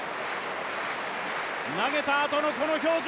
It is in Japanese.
投げたあとのこの表情。